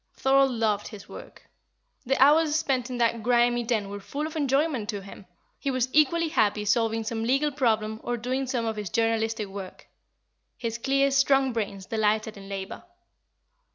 Thorold loved his work. The hours spent in that grimy den were full of enjoyment to him; he was equally happy solving some legal problem or doing some of his journalistic work; his clear, strong brains delighted in labour.